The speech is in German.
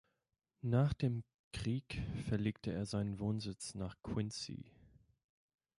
Nach dem Krieg verlegte er seinen Wohnsitz nach Quincy.